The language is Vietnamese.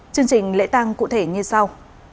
chương trình lễ tăng cụ thể như sau